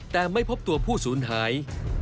แต่ไม่พบตัวผู้สูญหาย